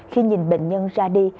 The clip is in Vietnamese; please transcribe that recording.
khi nhìn bệnh nhân ra đi